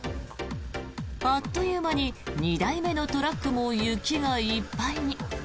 あっという間に２台目のトラックも雪がいっぱいに。